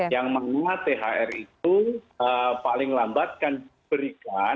yang mengingat thr itu paling lambat kan berhubungan